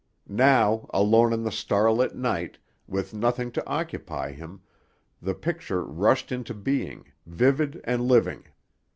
Now, alone in the star lit night, with nothing to occupy him, the picture rushed into being, vivid and living.